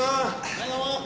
はいどうも！